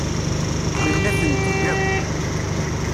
Nenna-tent-id akk.